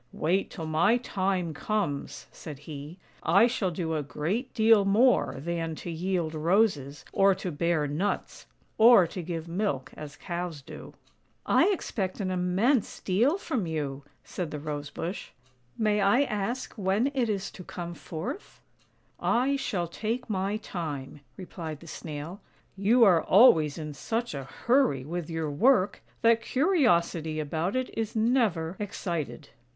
" Wait till my time comes," said he; "I shall do a great deal more than to yield roses, or to bear nuts, or to give milk as cows do." " I expect an immense deal from you," said the Rose bush. " May I ask when it is to come forth? "" I shall take my time," replied the Snail. " You are always in such a hurry with your work, that curiosity about it is never excited."